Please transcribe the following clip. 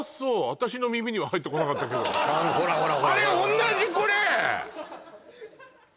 私の耳には入ってこなかったけどほらほらほらほらあれ同じこれ！？